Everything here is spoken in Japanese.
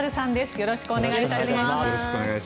よろしくお願いします。